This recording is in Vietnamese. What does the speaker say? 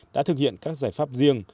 đã thực hiện các giải pháp riêng